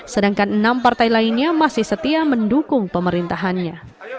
sedangkan enam partai lainnya masih setia mendukung pemerintahannya